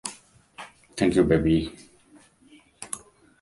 Thank You Baby!